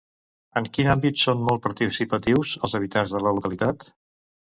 En quin àmbit són molt participatius els habitants de la localitat?